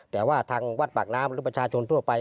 แต่ว่าทางวัดปากน้ำหรือประชาชนทั่วไป